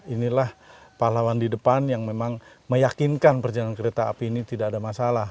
inilah pahlawan di depan yang memang meyakinkan perjalanan kereta api ini tidak ada masalah